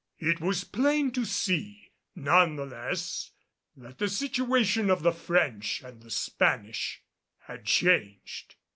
It was plain to see, none the less, that the situation of the French and the Spanish had changed.